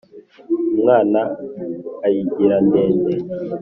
Umwana ayigira ndende,